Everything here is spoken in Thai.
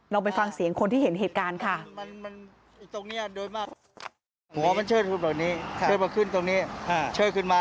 ไปฟังเสียงคนที่เห็นเหตุการณ์ค่ะ